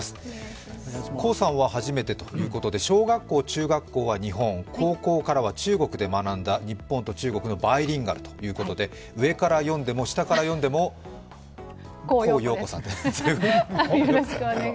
高さんは初めてということで、小学校中学校が日本、高校からは中国で学んだ日本と中国のバイリンガルということで、上から読んでも下から読んでもコウヨウコさんです。